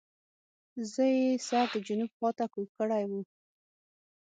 زه یې سر د جنوب خواته کوږ کړی وو.